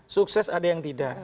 sukses ada yang tidak